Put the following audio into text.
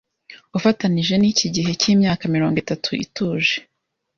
Ufatanije niki gihe cyimyaka mirongo itatu ituje